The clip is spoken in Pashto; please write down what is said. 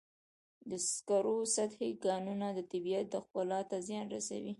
د سکرو سطحي کانونه د طبیعت ښکلا ته زیان رسوي.